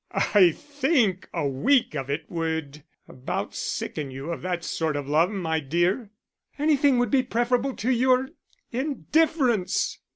"I think a week of it would about sicken you of that sort of love, my dear." "Anything would be preferable to your indifference."